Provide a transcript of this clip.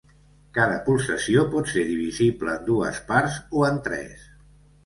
Cada pulsació pot ser divisible en dues parts o en tres.